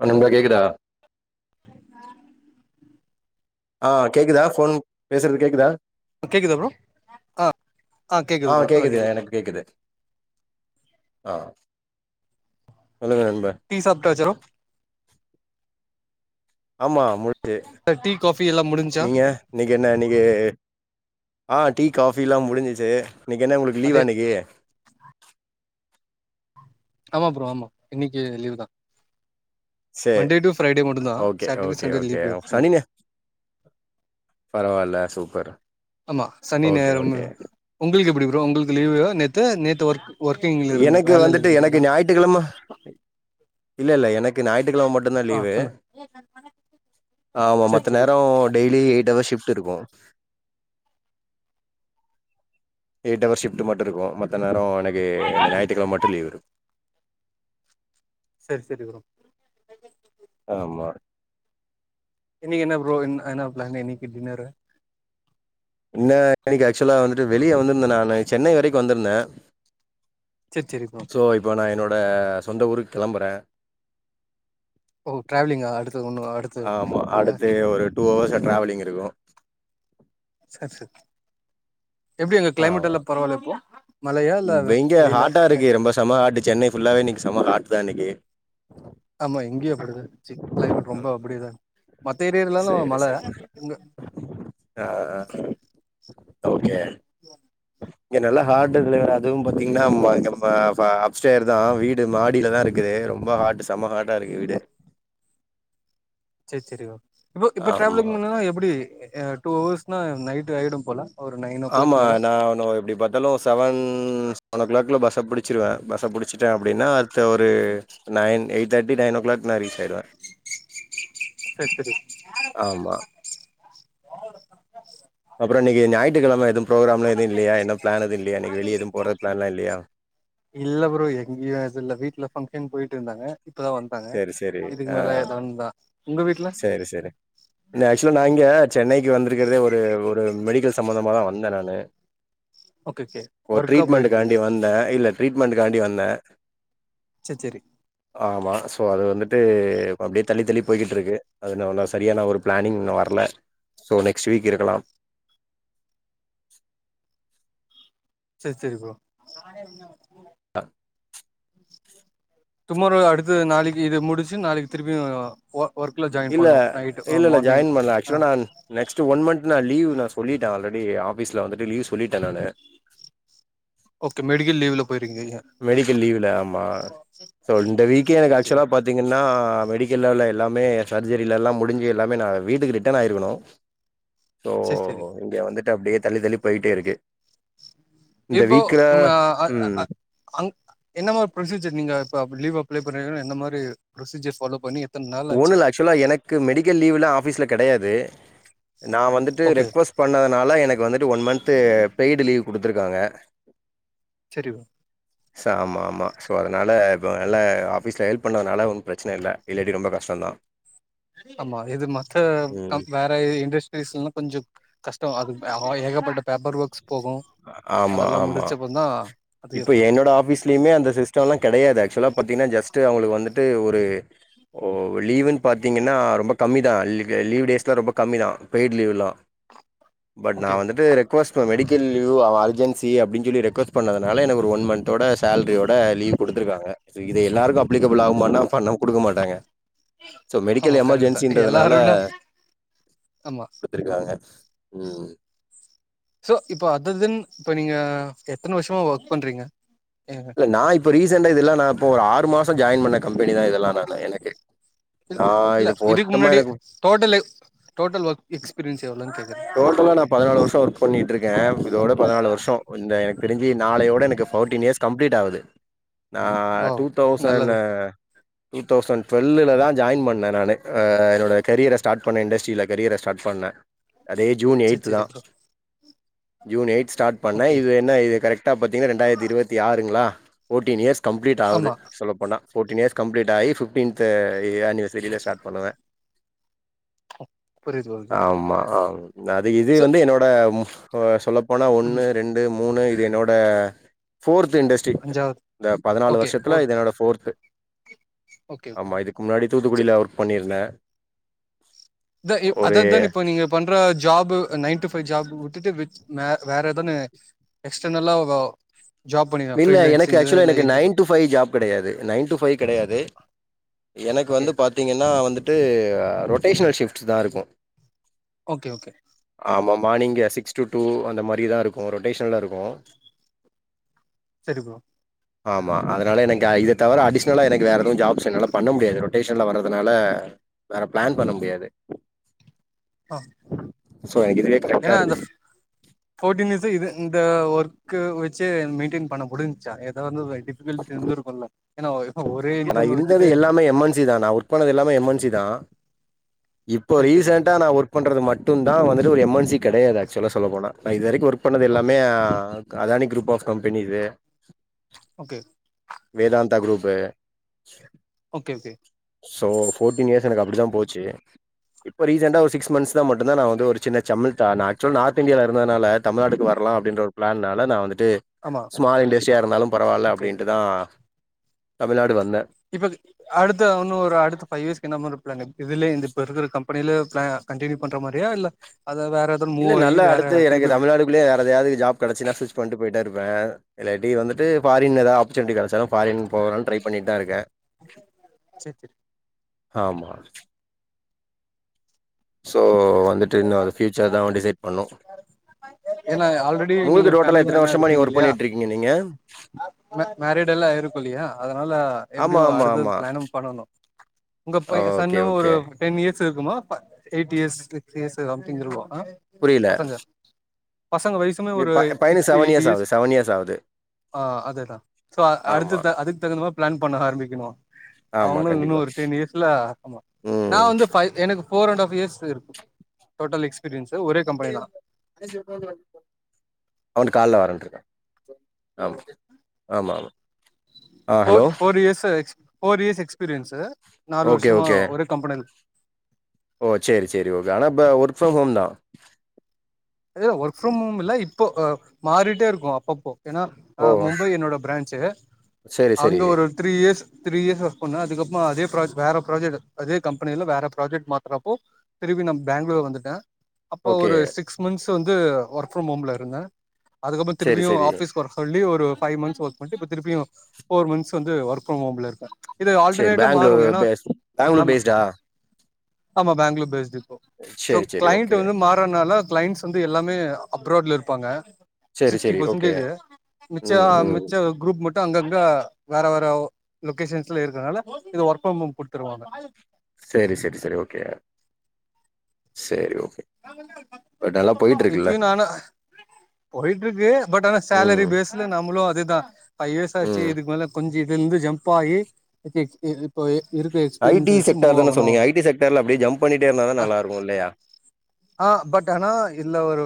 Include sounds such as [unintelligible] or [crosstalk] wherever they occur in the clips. [unintelligible] கேக்குதா ஆ ஆ கேக்குதா ஃபோன் பேசுறது கேக்குதா கேக்குதா ப்ரோ ஆ ஆ கேக்குது எனக் கேக்குது ஆ சொல்லுங்க அன்பர் டி சாப்டாச்சரு ஆமா முடிஞ்சு டீ காஃபி எல்லாம் முடிஞ்ச்சா நீங்க இன்னைக்கு என்ன இன்னைக்கு ஆ டீ காஃபிலா முடிஞ்சிச்சு இன்னைக்கு என்ன உங்களுக்கு அதே லீவா இன்னைக்கு ஆமா ப்ரோ ஆமா இன்னைக்கு லீவ் தா சேரி மண்டே டு ஃப்ரைடே மட்டும் தான் okay Saturday okay Sunday okay leave எப்போமே பரவா இல்ல சூப்பர் ஆமா சனி ஓகே நேரம் ஓகே உங்களுக்கு எப்படி ப்ரோ உங்களுக்கு லீவுவா நேத்து நேத்து ஒர்க் ஒர்க்கிங்ல இருந்தீங்க ளா வேலைல இருந்தீங்களா தி கிழம இல்ல இல்ல எனக்கு ஞாயி்டுக்கிழம மட்டு ட்டுந்தா ஆ லீவு சொல்லு ஆமா சேரி மத்த சேரி நேரோ bro daily eight hour shift இருக்கு எய்ட் அவர் ஷிஃப்ட மட்டு இருக்கும் மத்த நேர எனக்கு அந்த ஞாயித்துக் கெழம மட்டு லீவு இரு சேரி சேரி ப்ரோ ஆமா இன்னைக்கு என்ன ப்ரோ என்ன என்ன பிளானு இன்னைக்கு டின்னரு என்ன ன்னைக்கு ஆக்சுவலா வந்துட்டு வெளிய வந்திருந்தே நானு சென்னை வரைக்கு வந்திருந்தே சேரி சேரி ப்ரோ தோ இப்போ நான் என்னோட சொந்த ஊருக்கு கெளம்புறே ஓ ட்ராவலிங்கா அடுத்து ஒன்னு அடு ஆமா அடுத்து ஒரு டூ ஹவர்ஸ் டிரவலிங் இருக்கு ச ச எப்படி அங்க கிளைமேட் ஆமா. எல்லா பரவாயில்ல இப்போ மலையா இல்ல இங்க வெயிலா ஹாட்டா இருக்கு. ரொம்ப சம ஹாட்டு சென்னை ஃபுல்லாவே இன்னக்கி சம ஹாட் தா இன்னைக்கி ஆமா இங்கயேப்படிதா ச்சு கிளைமேட் ரொம்ப ம். அப்படிதா மத்த ஏரியாலலா சரி, மழை சரி. உங்க ஆ, ஆ. ஓகே [inaudible] இங்க நல்லா ஹாட் தலைவரே அதுவு பாத்தீங்னா அப்ஸ்டைர் தா வீடு மாடியிலதா இருக்குது ரொம்ப ஹாட் சம ஹாட்டா இருக்கு வீடு சே சேரி ப்போ இப்ப ஆமா. டிராவலிங் பண்னா எப்படி டூ ஹவஸ் நைட் ஆயிடும் போல ஒரு நைன் ஓ கிளாக் மேல அவனோ எப்டி ப தாலும் செவன் செவன் ஓ கிளாக்கில பஸ்ஸை பிடிச்சிருவே பஸ்ஸை பிடிச்சிட்டே அப்படின்னா அடுத்த ஒரு நைன் எய்ட்தட்டி நைன் ஒ க்ளாக் நா ரீச் ஆயிடுவே சரி சரி ஆமா அப்புறோ இன்னிக்கிஞாற்றுக்கழம எது ப்ரோக்ராம்லா எது இல்லயா என்ன ப்ளான் எது இல்லைய இன்னிக்கி வெளிய எது போற ப்ளான்லா இல்லியா இல்ல ப்ரோ எங்கயு இது இல்ல வீட்ல ஃபங்ஷன் போய்ட்ருந்தாங்க இப்பதா வந்தாங்க சரி, சரி. இதுக்கு மேல எதோ ஒன்னுதா உங்க வீட்ல சேரி சேரி இந்த ஆக்சுவ்லா நா இங்க சென்னைக்கு வந்திருக்கறதே ஒரு ஒரு மெடிக்கல் சம்பந்தமாதா வந்தே நானு ஓகே ஓகே ஒரு ஒர்க்கா ட்ரீட்மண்டு போயிருக்கீங்க காண்டி வந்தே இல்ல ட்ரீட்மெண்டுக்காண்டி வந்தே சேச்சேரி ஆமா சோ அது வந்துட்டு இப்ப அப்டியே தள்ளி தள்ளி போய்கிட்ருக்கு அது இன்னு ஒன்னு செரியான ஒரு ப்ளானிங் இன்னு வர்ல ஸோ நெக்ஸ்ட் வீக் இருக்கலாம் சேரி சேரி ப்ரோ அ டுமாரோ அடுத்து நாளைக்கு இது முடிச்சு நாளைக்கு திருப்பியு ஒர்குல ஜாய்ன் இல்ல இல்ல இல்ல ஜாய்ன் பண்ல ஆக்சுவ்லா நான் நெக்ஸ்ட்டு ஒன் மன்த் நா லீவ் நா சொல்லிட்டே ஆல்ரெடி ஆஃபீஸ்ல வந்துட்டு லீ் சொல்லிட்டே நானு ஓகே மெடிக்கல் லீவுல போய்ற்கீங்க நீங்க மெடிக்கல் லீவ்ல ஆமா சோ இந்த வீக்கே எனக்கு சரி சரி ஆக்சுவ்லா பாத் தீங்கன்னா மெடிக்கல் வேல எல்லாமே சர்ஜரில எல்லா முடிஞ்சு எல்லாமே நா வீட்டுக்கு ரிட்டன் ஆய்ருக்கணு சோ சரி சரி இங்க வந்துட்டு அப்டியே தள்ளி தள்ளி போய்ட்டே இருக்கு இந்த இப்போ வீக்ல ம அ அ ம் அ அங் என்னமாரி ப்ரொசீஜர் நீங்க இப்ப லீவ் அப்ளை பண்ணிங்னா எந்தமாரி ப்ரொசீஜர் ஃபாலோ பண்ணி எத்தன் நல்லாச்சு ஆக்சுவ்லா எனக்கு மெடிக்கல் லீவுலா ஆஃபீஸ்ல கெடையாது நா வந்துட்டு ஓகே ரெக்வொஸ்ட் பண்ணதுனால எனக்கு வந்துட்டு ஒன் மன்து பெய்டு லீவ் குடுத்துருக்காங்க செரி ப்ரோ ச ஆமா ஆமா சோ அதனால இப்போ எல்லா ஆஃபிஸ்ல ஹெல்ப் பண்ணதுனால ஒன் ப்ரச்சன இல்ல இல்லாடி ரொம்ப கஷ் டோந்தா ஆமா இது மத்த ம். கம் வேற இண்டஸ்ட்ரீஸ்லலா கொஞ்சோ கஷ்டோ அது ஏகப்பட்ட பேப்பர் ஒர்க்ஸ் போகு ஆமா, அதெல்லா ஆமா. முடிச்சப்பதா இப்ப என்னோட ஆஃபிஸ்லயுமே அந்த சிஸ்டோலா கடையாது ஆக்சுவலா பாத்தீங்கன்ன ஜெஸ்ட் அவுங்ளுக் வந்துட் ட்டு ஒரு ஓ லீவுன் பாத்தீங்கனா ரொம்ப கம்மிதா லீவ் டேஸ்லா ரொம்ப கம்மிதா பெய்ட் லீவ்லா பட் நா ஓகே வந்துட்டு ரெக்வொஸ்ட் மெடிக்கல் லீவு அ அஜன்சி அப்டின் சொல்லி ரெக்வொஸ்ட் பண்ணத் னால எனக்கு ஒரு ஒன் மந்தோட சலரியோட லீவ் குடுத்திருக்காங்க சோ இது எல்லாருக்கு அப்லிகபுல் ஆகுமானா பண்ண குடுக்க மாட்டாங்க சோ ஆமா மெடிக்கல் கரெக்ட் தா எமர்ஜென்சின்றதுனால எல்லாருனா ஆமா இருக்காங்க ம் சோ இப்ப அது இதுன் இப்போ நீங்க எத்தன வர்ஷமா ஒர்க் பண்றீங்க ஏங்க நா இப்ப ரீசென்டா இதெல்லா நா இப்போ ஒரு ஆறு மாச இப்ப ஜாய்ன் பண்ண கம்பெனிதா இதெல்லா நானு எனக்கு இல்ல ஆ இல்ல, இது இதுக்கு பொருத்தமா முன்னாடி எனக்கு டோட்டல் எக் டோட்டல் ஒர்க் எக்ஸ்பீரியன்ஸ் எவ்ளோன் கேக்குற டோட்டலா நா பதனாலு வர்ஷோ ஒர்க் பண்ணிட்ருக்கே இதோட பதனாலு வர்ஷோ ஒ இந்த எனக்கு தெரிஞ்சு நாளையோட எனக்கு ஃபோர்டீன் இயர்ஸ் கம்ப்ளீட் ஆகுது நா ஓ டூ நல்லது தௌசண்ணு டூ தௌசண்ட் டுவெல்லுல தா ஜாயின் பண்ணே நானு ஆ என்னோட கரியர ஸ்டார்ட் பண்ணே இண்டஸ்ட்ரியில கரியர ஸ்டார்ட் பண்ணே அதே ஜூன் சரி எய்த்து தா சரி ப்ரோ ஜுன் எய்த் தா ஸ்டார்ட் பண்ண ஓகே இது என்ன இது கரெக்டா பாத்திங்க ரெண்டாயிரத்தி இருவத்தி ஆறுங்களா ஃபோர்டீன் இயர்ஸ் கம்ப்ளீட் ஆவுது ஆமா சொல்லப்போனா ஃபோர்டீன் இயர்ஸ் கம்லீட் ஆயி ஃபிஃப்டின்து ஆனிவர்சரில ஸ்டார்ட் பண்ணுவே புரியுது ஓகே ஆமா ஆ அது இது சோ வந்து என்னோட அ சொல்லப்போனா ஒன்னு ம் ரெண்டு மூணு இது என்னோட ஃபோர்த் இண்டஸ் ட்றி அஞ்சாவது இந்த பதினாலு ஓகே வருஷத்துல இது ஃபோர்த் என்னோட ஃபோர்து ஓகே ஓகே ஆமா இதுக்கு முன்னாடி சோ தூத்துக்குடியில ஒர்க் பண்ணியிருந்தே இந்த இ அதாவது தா இப்ப நீங்க பண்ற job nine to five job விட்டுட்டு வெ வே வேற எதோன்னு எக்ஸ்டர்னல்லா வ இல்ல எனக்கு ஆக்சுவலா எனக்கு நைன் டு ஃபைவ் ஜாப் கெடையாது நைன் டு ஃபைவ் கெடையாது எனக்கு ஓகே வந்து பாத்தீங்கன்னா வந்துட்டு ரொட்டேஷனல் ஷிஃப்ட் தா இருக்கு ஓகே ஓகே ஆமா மார்னிங்கு சிக்ஸ் டு டூ அந்த மாரி தா இருக்கு ரொட்டேஷனலா இருக்கு சரி ப்ரோ ஆமா அதனால எனக்கு நா இத தவிர அடிஷ்னலா எனக்கு வேற எதுவு ஜாப்ஸ் என்னால பண்ண முடியாது ரொட்டேஷன்ல வர்றதுனால வேற பிளான் பண்ண முடியாது ஆ சோ எனக்கு இதுவே கரெக்டா ஏன்னா அந்த இருக்கும் ஃபோர்ட்டீன் இயர்ஸா இது இந்த ஒர்க்கு வெச்சு மெயின்டெயின் பண்ண மூடிஞ் ச்சா ஏதா ஒன்னு வ டிஃபிகல்டிஸ் இருந்து இருக்குல ஏன்னா ஒ எ நா இருந்தது எல்லாமே எம் என் சி தா நா ஒர்க் பன்னது எல்லாமே எம் என் சி தா இப்போ சரி சரி ரீசண்டா நா ஒரு பண்றது மட்டு தா வந்துட்டு ஒரு எம் என் சி கெடையாது ஆக்சுவலா சொல்ல போனா நா இது வரைக்கு ஒர்க் பண்ணது ஓகே எல்லாமே அதானி க்ரூப் ஆஃப் கம்பெனிது okay Vedanta group okay okay so fourteen years எனக்கு அப்டிதா போச்சு இப்போ ரீசன்ண்டா ஒரு சிகஸ் மந்த்ஸ்ல மட்டு தா நா வந்து ஒரு சின் செம்மள்தா நா ஆக்சுவல் நார்த் இந்தியால இருந்ததுனால தமிழ்நாட்டுக்கு வரலா அப்டின்ற ஒரு பிளான்னால நா வந்துட்டு ஆமா ஸ்மால் இண்டஸ்ட்ரியா இருந்தாலு பரவால்ல ஓகே அப்டின்ட்டு தா தமிழ்நாடு வந்தே இப்ப அது அடுத்த உன்னு ஒரு அடுத்த ஃபைவ் இயர்ஸ்கு என்ன மாரி பிளான் இதுலயே இந்த இப்ப இருக்குற கம்பெனில பிளா கண்டினியூ பண்ற மாரியா இல்ல அத வேற எதாவது இல்ல மூவ் ஆகி நல்லா வேற அடுத்து எனக்கு திருப்பி தமிழ்நாடுக்குள்ளயே எதாது ஜாப் கெடச்சுதுனா ஸ்விச் வந்ட்டு போயிட்டே இருப்பே இல்லாட்டி வந்துட்டு ஃபாரின்ல ஏதா ஆப்பர்சுனிட்டி கெடச்சாலு ஃபாரின் போகலானு ட்ரை பண்ணிட்டு தா இருக்கே சேரி சேரி ஆமா சோ வந்துட்டு இன்னு அது ஃபியூச்சர் தா டிசைட் பண்ணு ஏன்னா ஆல்ரெடி நீங்க மூனுக்கு டோட்டலா ஃபேமிலி எத்தன மேனா வருஷமா நீங்க இருப்பீங்க ஒர்க் இல்லையா பண்ணிட்ருக்கீங்க நீங்க மே மேரிட் எல்லா இருக்கு இல்லையா அதனால ஆமா, எப்டியு ஆமா, அடுத்தது ஆமா. பிளானு பண்ணனு உங்க ப ஓகே, சன்னு ஒரு ஓகே. டென் இயர்ஸ் இருக்குமா eight years six years something இருக்கு அ புரியல. பசங்க பசங்க வயசுமே எ ஒரு ப சிக்ஸ் பையனுக்கு டு எயிட் இயர்ஸ் ஆகுது, ஆகுது. ஆ அதேதா சோ ஆமா, அடுத்த அதுக்கு தகுந்த பிளான் பண்ண ஆரம்பிக்கணு ஆமா. அவங்களு கண்டிப்பா. இன்னு ஒரு டென் இயர்ஸ்ல ஆமா ம். நான் வந்து பை எனக்கு போர் அண்ட் ஹாஃப் இயர்ஸ் இருக்கு டோட்டல் எக்ஸ்பீரியன்ஸ் ஒரே கம்பனி தா [inaudible] அவ காலைல வரண்டருக்கா ஆமா ஆமா ஆமா ஆ hello. Four years four years experience நாலு ஓகே, வருஷமா ஓகே. ஒரே கம்பனி ஓ சேரி சேரி ஓகே ஆனா இப்ப ஒர்க் ஃப்ரம் ஹோம் தா ஒர்க் ஃப்ரம் ஹோம் இல்ல இப்போ மாறிட்டே இருக்கு அப்பப்போ ஏன்னா ஆ ஓ! மும்பை என்னோட பிரான்ச்சு சரி, சரி. அங்க ஒரு three years three years work பண்ணே அதுக்கப்றோ அதே ப்ராஜக்ட் வேற ப்ராஜக்ட் அதே கம்பெனில வேற ப்ராஜெட் மாத்தறப்போ திருப்பி நா பேங்களூர் வந்துட்டே அப்ப ஓகே. ஒரு சிக்ஸ் மந்த்ஸ் வந்து ஒர்க் ஃப்ரம் ஹோம்ல இருந்தே அதுக்கப்றோ சரி, திரும்பியு சரி. ஆபீஸ் ஒர்க் சொல்லி ஒரு ஃபைவ் மந்த்ஸ் ஒர்க் பண்ணிட்டு இப்ப திரும்பி ஃபோர் மந்த்ஸ் வந்து ஒர்க் ஃப்ரம் ஹோம்ல இருக்கே இது சரி ஆல்டர்னேட்டா பெங்களூர் மாறு ஏன்னா பேஸ் பெங்களூர் ஆமா பேஸ்டா? ஆமா பேங்களூர் பேஸ்டு இப்ப ஸோ சரி, சரி. Client okay. வந்து மா னால கிளைண்ட்ஸ் வந்து எல்லாமே அப்ராட்ல இருப்பாங்க சரி, சிக்ஸ்டி சரி. ஓகே. பெர்சன்டேஜி மிச்ச ம், ம். மிச்ச குரூப் அங்கங்க வேற வேற லொகேஷன்ஸ்ல யிருக்கனால யித ஒர்க் ப்ரம் ஹோம் குடுத்துருவாங்க சேரி செரி செரி ஓகே சேரி ஓகே பட் நல்லா போயிட்டு இருக்குல்ல. யிப்பியு நானா போய்ட்டுருக்கு பட் ஆனா சேலரி ம், பேஸ் நம்மளு அதேதா பைவ் இயர்ஸாச்சு ம். யிதுக்கு மேல கொஞ்சோ யிதுந்து ஜம்ப்பாகி இப்போயிருக்க எக்ஸ்பீரியன்ஸ் வச்சு மூவ் ஆகணு தெர்ல அப்டியே ஜம்ப் பண்ணிட்டேருந்தாதா அ நல்லாருக்குல்லயா ஆ பட் ஆனா யிதுல்ல ஒரு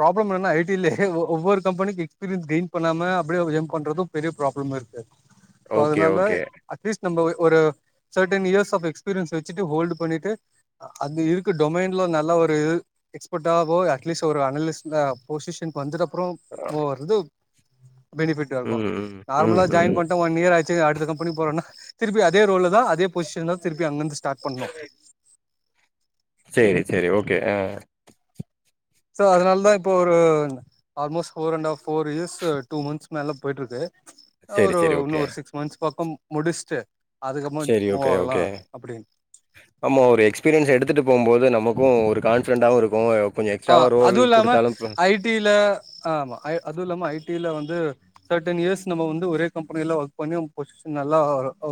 ப்ராப்ளம் யென்னனா ஐடி லே ஒவ்வொரு கம்பனி எஸ்பீரியன் கெயின் பண்ணாம அப்டியே ஜம் பண்றது பெரிய ப்ராப்ளமாருக்கு சோ ஓகே, அதுனால ஓகே. அட்லீஸ்ட் நம்ப ஒரு சர்ட்டன் இயர்ஸ் ஆஃப் எக்ஸ்பீரியன்ஸ் வச்சுட்டு ஹோல்டு பண்ணிட்டு அதுருக்குட் டொமைன்ல ஒரு எக்ஸ்பர்ட்டாவோ அட்லீஸ் ஒரு அனாலிஸா பொசிஷன் வந்துர அப்றோ அ. ஒவ்வொருயிது பெனிபிட்டாருக்கு ம், ம், ம், நார்மலா ஜாயின் ம். பண் ஒன்னியராச்சி அடுத்த கம்பனி போறன்னா திருப்பி அதே ரோல்ல தா அதே பொசிஷன் திருப்பி அங்கருந்துஸ்டார்ட் பண்ணனு சேரி சேரி ஓகே ஆ சோ அதுனால தா இப்போ ஒரு almost four and half four years two months மேல போயிட்ருக்கு சரி, ஒரு சரி. ஓகே. இன்னொரு சிக்ஸ் மந்த்ஸ் பக்கோ முடிச்சிட்டு சரி, அதுக்கப்றோமூ ஓகே, ஆகலா ஓகே. அப்டின்னு ஆமா ஒரு எக்ஸ்பீரியன்ஸ் எடுத்துட்டு போகுபோது நமக்கு ஒரு கான்பிடென்டா இருக்கு ஆ அதுல்லாம ஐ டி ல ஆ ஆமா அதுவுல்லாம ஐ டி ல வந்து செர்ட்டன் இயர்ஸ் நம்ம வந்து ஒரே கம்பெனில ஒர்க் பண்ணி பொசிஷன் நல்லா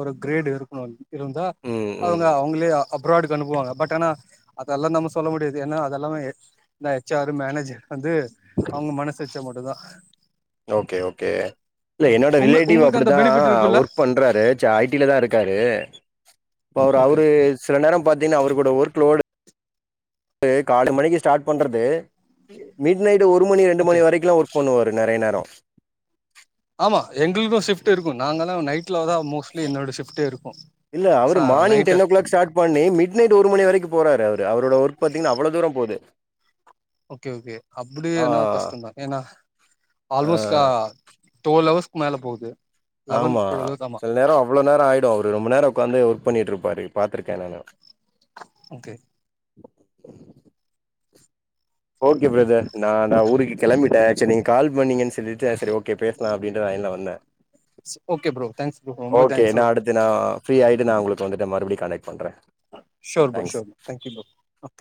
ஒரு கிரேடு இருக்கணு இருந்தா ம், அவுங்கா ம். உள்ளே அப்ராடுக்கு அனுப்புவாங்க பட் ஆனா அதெல்லா நம்ம சொல்ல முடியாது யேன்னா அதெல்லா இதாச்சி கட்ச் ஆரு மேனேஜர் வந்து அவுங்க மனசு வச்சா மட்டுந்தா ஓகே ஓகே யில்ல யென்னோட உங்க ரிலேட்டிவ் உங்களுக்கு அந்த அப்டிதா பெனிஃபிட் இருக்குல்ல ஒர்க் பண்றாரு ஐடில தாருக்காரு யிப்பவர் ஓகே அவரு செல நேரோ பாத்தீங்கன்னா அவரு கூட ஒர்க் லோடு காலைல மணிக்கு ஸ்டார்ட் பண்றது மிட் நைட்டு ஒரு மணி ரெண்டு ஓகே மணி வரைக்ல்லா ஒர்க் பண்ணுவாரு நெறய நேரோ ஆமா எங்ளுக்கு ஷிஃப்ட் இருக்கு நாங்கலா நைட்லதா மோஸ்ட்லி என்னோட ஷிஃப்ட் இருக்கு இல்ல அவரு ச morning night ten o'clock start பண்ணி மிட் நைட் ஒரு மணி வரைக்கு போறாரு அவரு அவரோட ஒர்க் பாத்தீங்ன்னா அவ்ளோ தூரோ போது ஓகே ஓகே அப்புடினா கஷ்டோ தா ஏன்னா ஆ, ஆல்மோஸ்ட்டா டுவெல் ஹவர்ஸ்க்கு மேல போவுது ஆமா செல நேரோ அவ்ளோ நேரோ ஆயிடு அவரு ரொம்ப நேரோ ஒக்காந்து ஒர்க் பண்ணிட்டுருப்பாரு பாத்திருக்கே நானு ஓகே ஓகே பிரதர் நா நா ஊருக்கு கெளம்பிட்டே சேர் நீங்க கால் பண்ணீங்கன்னு சொல்லிட்டு செரி ஓ கே பேச்லா அப்டின்ட்டு லைன்ல வந்தே ஓகே ப்ரோ தேங்க்ஸ் ப்ரோ ரொம்ப ஓகே தேங்க்ஸ் நா ப்ரோ அடுத் து நா ஃப்ரீயாயிட்டு நா உங்களுக்கு வந்துட்டு மறுபடியு கனெக்ட் பண்றே sure bro thanks sure thank you bro okay